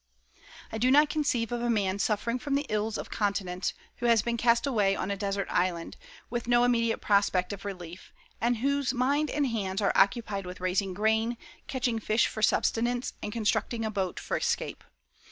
I do not conceive of a man suffering from the ills of continence who has been cast away on a desert island, with no immediate prospect of relief, and whose mind and hands are occupied with raising grain, catching fish for subsistence, and constructing a boat for escape.